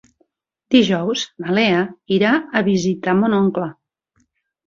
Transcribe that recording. Dijous na Lea irà a visitar mon oncle.